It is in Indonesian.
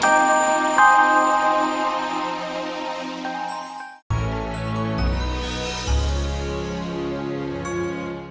saat memungkinkan ikan laganya